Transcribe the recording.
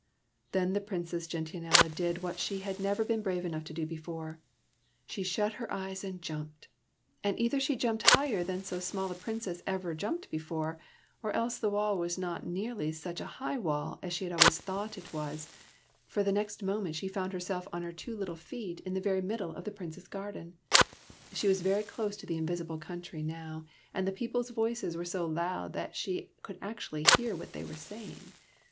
Then the Princess Gentianella did what she had never been brave enough to do before, — she shut her eyes and jumped ; and either she jumped higher than so small a princess ever jumped before, or else the wall was not nearly such a high wall as she had always thought it was, for the next moment she found herself on her two little feet in the very middle of the 86 SOMEBODY ELSE'S PRINCE Prince's garden. She was very close to the invisible country now, and the people's voices were so loud that she could actually hear what they were saying.